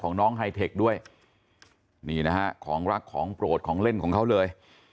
ของน้องไฮเทคด้วยนี่นะฮะของรักของโปรดของเล่นของเขาเลย